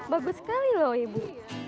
bagus sekali loh ibu